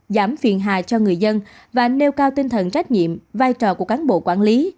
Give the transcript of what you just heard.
giảm phiền hà cho người dân và nêu cao tinh thần trách nhiệm vai trò của cán bộ quản lý